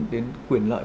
đến quyền lợi